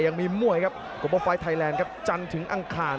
ยังมีมวยครับกรมประวัติไฟล์ไทยแลนด์ครับ